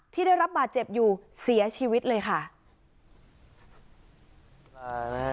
ที่ได้รับบาดเจ็บอยู่เสียชีวิตเลยค่ะ